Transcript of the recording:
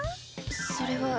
それは。